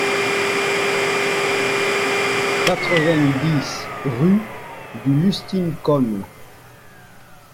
quatre-vingt-dix rue du Lustincone